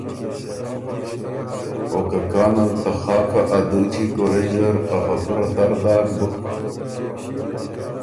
او که کانل ته خاکه ا دُوچی کُورئ زر ا خبُره تر داک بُک